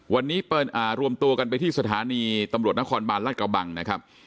วันนี้รวมตัวกันไปที่สถานีตำรวจนครบาลรัฐกระบังนะครับ